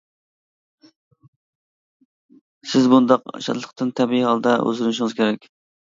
سىز بۇنداق شادلىقتىن تەبىئىي ھالدا ھۇزۇرلىنىشىڭىز كېرەك.